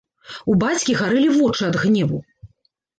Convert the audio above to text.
У бацькі гарэлі вочы ад гневу.